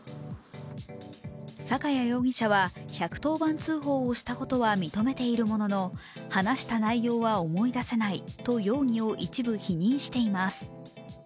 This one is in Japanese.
坂屋容疑者は、１１０番通報をしたことは認めているものの、話した内容は思い出せないと容疑を一部否認しています。